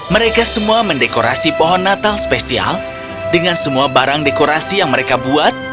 mereka semua mendekorasi pohon natal spesial dengan semua barang dekorasi yang mereka buat